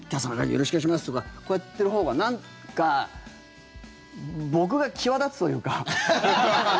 よろしくお願いしますとかこうやってるほうがなんか、僕が際立つというか。